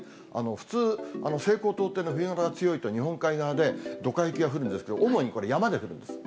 普通、西高東低の冬型が強いと、日本海側で、どか雪が降るんですけれども、主にこれ、山で降るんです。